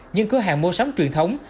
nhưng cửa hàng mô sống truyền thống